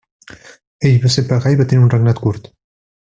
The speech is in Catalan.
Ell va ser pagà i va tenir un regnat curt.